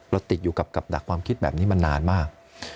ติดอยู่กับดักความคิดแบบนี้มานานมาก